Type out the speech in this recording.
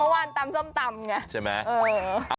เพราะว่านตำส้มตำมนะค่ะเออ